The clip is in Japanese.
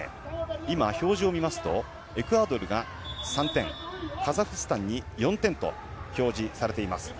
今、表示を見ますとエクアドルが３点カザフスタンに４点と表示されています。